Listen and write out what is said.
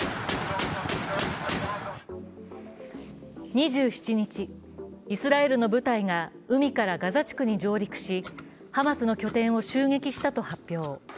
２７日、イスラエルの部隊が海からガザ地区に上陸しハマスの拠点を襲撃したと発表。